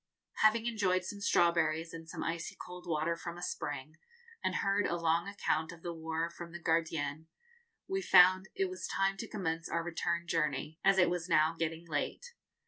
Having enjoyed some strawberries and some icy cold water from a spring, and heard a long account of the war from the gardiens, we found it was time to commence our return journey, as it was now getting late.